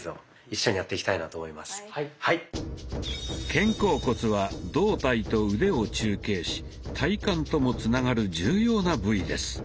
肩甲骨は胴体と腕を中継し体幹ともつながる重要な部位です。